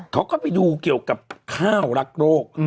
เขาก็ไปดูเกี่ยวกับข้าวรักโรค